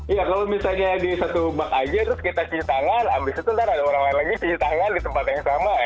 iya kalau misalnya di satu bak aja terus kita cuci tangan habis itu nanti ada orang lain lagi cuci tangan di tempat yang sama ya